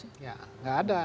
iya nggak ada